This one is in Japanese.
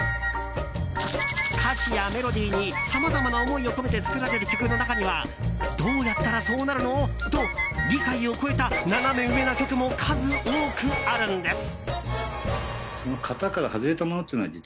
歌詞やメロディーにさまざまな思いを込めて作られる曲の中にはどうやったらそうなるの？と理解を超えたナナメ上な曲も数多くあるんです。